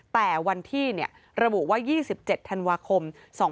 แต่วันที่ระบุว่า๒๗ธันวาคม๒๕๖๒